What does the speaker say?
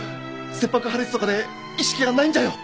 切迫破裂とかで意識がないんじゃよ。